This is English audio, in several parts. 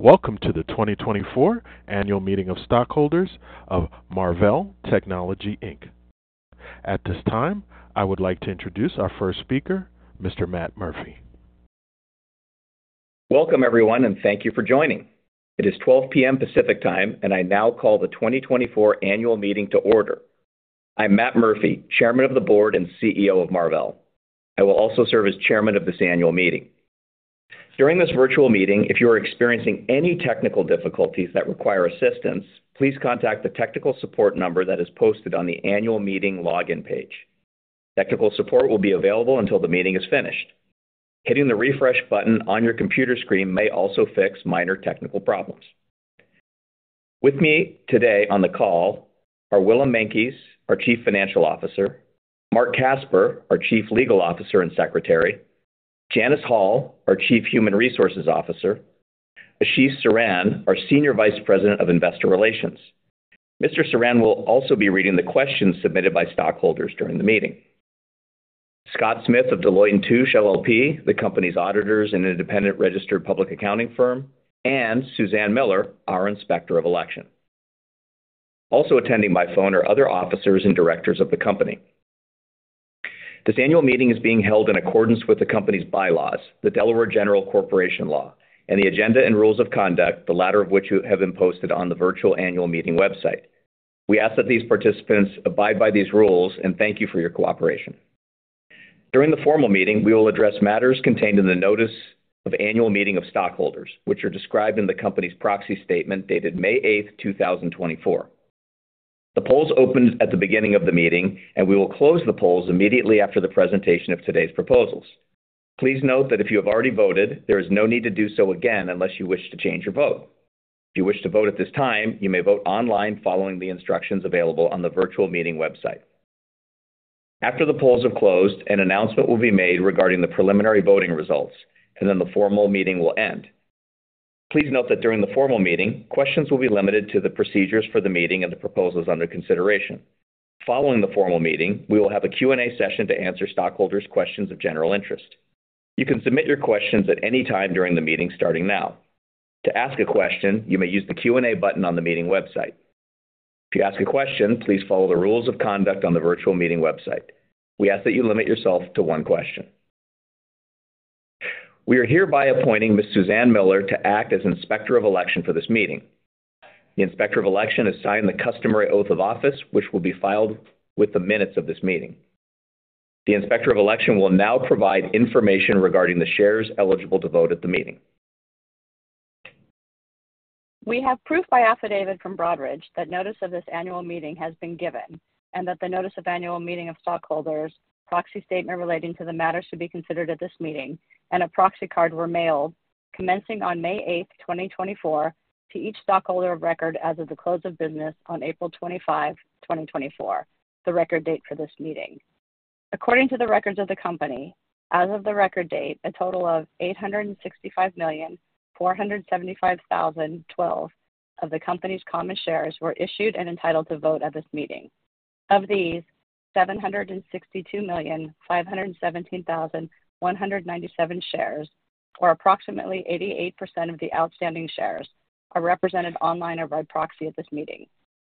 Welcome to the 2024 Annual Meeting of Stockholders of Marvell Technology Inc. At this time, I would like to introduce our first speaker, Mr. Matt Murphy. Welcome, everyone, and thank you for joining. It is 12:00 P.M. Pacific Time, and I now call the 2024 annual meeting to order. I'm Matt Murphy, Chairman of the Board and CEO of Marvell. I will also serve as chairman of this annual meeting. During this virtual meeting, if you are experiencing any technical difficulties that require assistance, please contact the technical support number that is posted on the annual meeting login page. Technical support will be available until the meeting is finished. Hitting the refresh button on your computer screen may also fix minor technical problems. With me today on the call are Willem Meintjes, our Chief Financial Officer, Mark Casper, our Chief Legal Officer and Secretary, Janice Hall, our Chief Human Resources Officer, Ashish Saran, our Senior Vice President of Investor Relations. Mr. Saran will also be reading the questions submitted by stockholders during the meeting. Scott Smith of Deloitte & Touche LLP, the company's auditors and independent registered public accounting firm, and Suzanne Miller, our Inspector of Election. Also attending by phone are other officers and directors of the company. This annual meeting is being held in accordance with the company's bylaws, the Delaware General Corporation Law, and the agenda and rules of conduct, the latter of which have been posted on the virtual annual meeting website. We ask that these participants abide by these rules, and thank you for your cooperation. During the formal meeting, we will address matters contained in the notice of annual meeting of stockholders, which are described in the company's proxy statement, dated May 8th, 2024. The polls opened at the beginning of the meeting, and we will close the polls immediately after the presentation of today's proposals. Please note that if you have already voted, there is no need to do so again unless you wish to change your vote. If you wish to vote at this time, you may vote online following the instructions available on the virtual meeting website. After the polls have closed, an announcement will be made regarding the preliminary voting results, and then the formal meeting will end. Please note that during the formal meeting, questions will be limited to the procedures for the meeting and the proposals under consideration. Following the formal meeting, we will have a Q&A session to answer stockholders' questions of general interest. You can submit your questions at any time during the meeting, starting now. To ask a question, you may use the Q&A button on the meeting website. If you ask a question, please follow the rules of conduct on the virtual meeting website. We ask that you limit yourself to one question. We are hereby appointing Ms. Suzanne Miller to act as Inspector of Election for this meeting. The Inspector of Election has signed the customary oath of office, which will be filed with the minutes of this meeting. The Inspector of Election will now provide information regarding the shares eligible to vote at the meeting. We have proof by affidavit from Broadridge that notice of this annual meeting has been given, and that the notice of annual meeting of stockholders, proxy statement relating to the matters to be considered at this meeting, and a proxy card were mailed commencing on May 8th, 2024, to each stockholder of record as of the close of business on April 25, 2024, the record date for this meeting. According to the records of the company, as of the record date, a total of 865,475,012 of the company's common shares were issued and entitled to vote at this meeting. Of these, 762,517,197 shares, or approximately 88% of the outstanding shares, are represented online or by proxy at this meeting.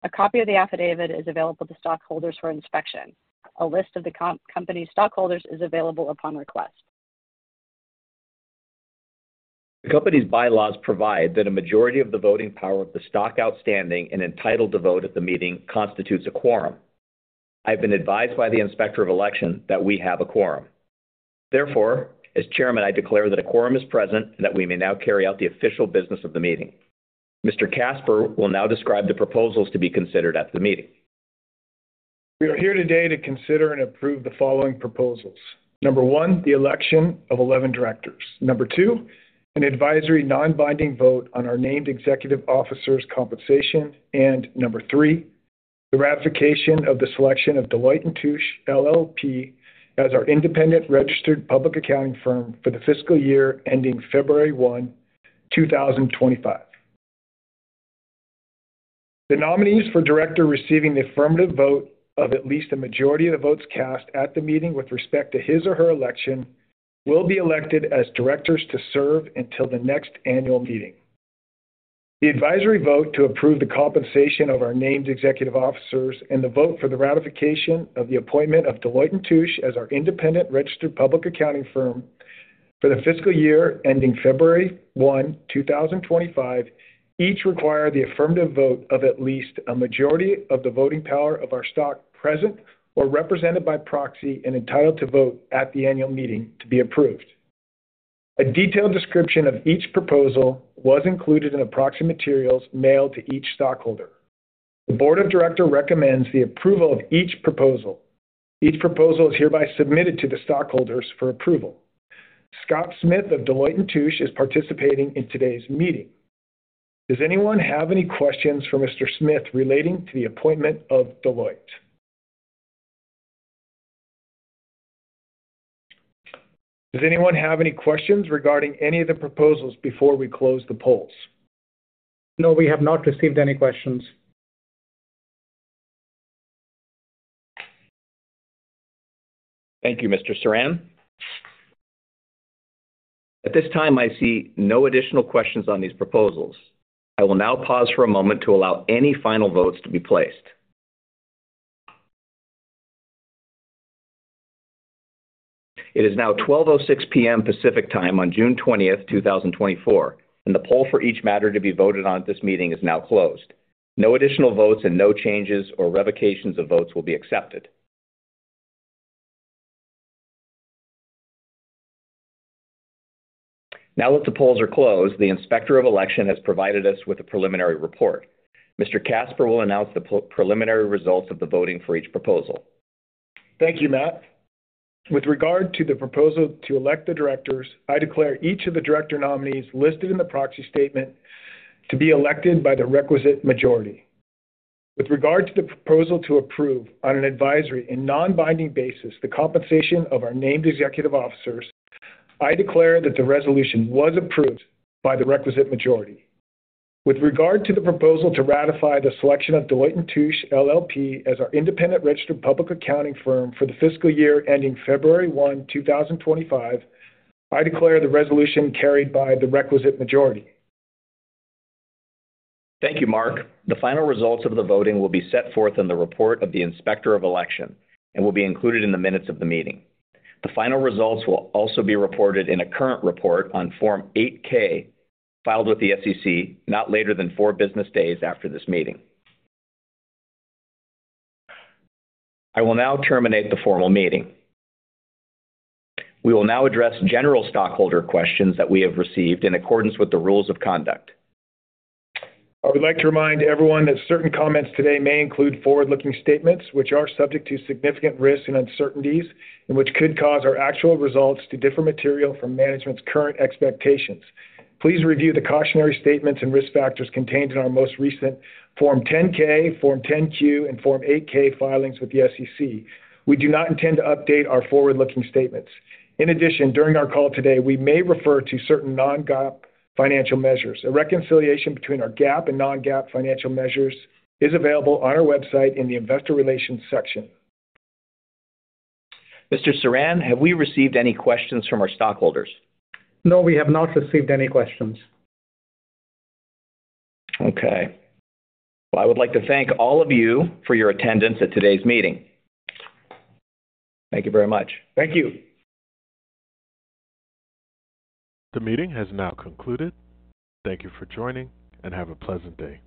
A copy of the affidavit is available to stockholders for inspection. A list of the company's stockholders is available upon request. The company's bylaws provide that a majority of the voting power of the stock outstanding and entitled to vote at the meeting constitutes a quorum. I've been advised by the Inspector of Election that we have a quorum. Therefore, as Chairman, I declare that a quorum is present and that we may now carry out the official business of the meeting. Mr. Casper will now describe the proposals to be considered at the meeting. We are here today to consider and approve the following proposals. Number one, the election of 11 directors. Number two, an advisory non-binding vote on our named executive officer's compensation. And number three, the ratification of the selection of Deloitte & Touche LLP as our independent registered public accounting firm for the fiscal year ending February 1, 2025. The nominees for director receiving the affirmative vote of at least a majority of the votes cast at the meeting with respect to his or her election, will be elected as directors to serve until the next annual meeting. The advisory vote to approve the compensation of our named executive officers and the vote for the ratification of the appointment of Deloitte & Touche as our independent registered public accounting firm for the fiscal year ending February 1, 2025, each require the affirmative vote of at least a majority of the voting power of our stock present or represented by proxy and entitled to vote at the annual meeting to be approved. A detailed description of each proposal was included in the proxy materials mailed to each stockholder. The Board of Directors recommends the approval of each proposal. Each proposal is hereby submitted to the stockholders for approval. Scott Smith of Deloitte & Touche is participating in today's meeting. Does anyone have any questions for Mr. Smith relating to the appointment of Deloitte? Does anyone have any questions regarding any of the proposals before we close the polls? No, we have not received any questions. Thank you, Mr. Saran. At this time, I see no additional questions on these proposals. I will now pause for a moment to allow any final votes to be placed. It is now 12:06 P.M. Pacific Time on June 20th, 2024, and the poll for each matter to be voted on at this meeting is now closed. No additional votes and no changes or revocations of votes will be accepted. Now that the polls are closed, the Inspector of Election has provided us with a preliminary report. Mr. Casper will announce the preliminary results of the voting for each proposal. Thank you, Matt. With regard to the proposal to elect the directors, I declare each of the director nominees listed in the proxy statement to be elected by the requisite majority. With regard to the proposal to approve on an advisory and non-binding basis the compensation of our named executive officers, I declare that the resolution was approved by the requisite majority. With regard to the proposal to ratify the selection of Deloitte & Touche LLP as our independent registered public accounting firm for the fiscal year ending February 1, 2025, I declare the resolution carried by the requisite majority. Thank you, Mark. The final results of the voting will be set forth in the report of the Inspector of Election and will be included in the minutes of the meeting. The final results will also be reported in a current report on Form 8-K, filed with the SEC, not later than four business days after this meeting. I will now terminate the formal meeting. We will now address general stockholder questions that we have received in accordance with the rules of conduct. I would like to remind everyone that certain comments today may include forward-looking statements, which are subject to significant risks and uncertainties, and which could cause our actual results to differ materially from management's current expectations. Please review the cautionary statements and risk factors contained in our most recent Form 10-K, Form 10-Q, and Form 8-K filings with the SEC. We do not intend to update our forward-looking statements. In addition, during our call today, we may refer to certain non-GAAP financial measures. A reconciliation between our GAAP and non-GAAP financial measures is available on our website in the Investor Relations section. Mr. Saran, have we received any questions from our stockholders? No, we have not received any questions. Okay. Well, I would like to thank all of you for your attendance at today's meeting. Thank you very much. Thank you. The meeting has now concluded. Thank you for joining, and have a pleasant day.